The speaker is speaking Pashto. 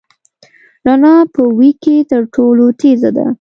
رڼا په وېګ کي تر ټولو تېزه ده.